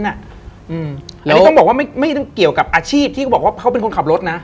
อันนี้ต้องบอกว่าไม่ต้องเกี่ยวกับอาชีพที่เขาบอกว่าเขาเป็นคนขับรถนะ